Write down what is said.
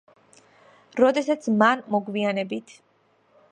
როდესაც მან მოგვიანებით.